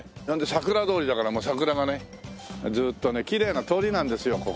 なのでさくら通りだからもう桜がねずっとねきれいな通りなんですよ